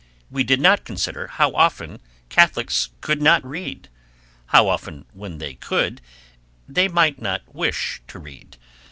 We did not consider how often Catholics could not read, how often when they could, they might not wish to read.